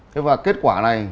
thế và kết quả này